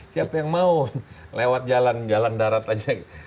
siapa yang mau lewat jalan jalan darat aja